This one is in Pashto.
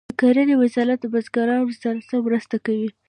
د کرنې وزارت له بزګرانو سره څه مرسته کوي؟